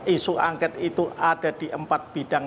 isu angket itu ada di empat bidang